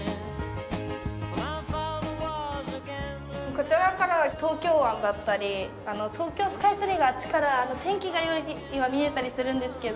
こちらからは東京湾だったり東京スカイツリーがあっちから天気が良い日には見えたりするんですけど。